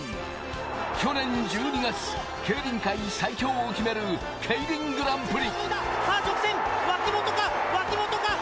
去年１２月、競輪界最強を決めるＫＥＩＲＩＮグランプリ。